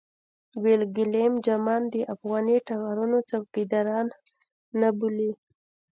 ولې ګېلم جمان د افغاني ټغرونو څوکيداران نه بولې.